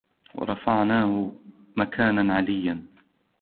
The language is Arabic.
وَرَفَعْنَاهُ مَكَانًا عَلِيًّا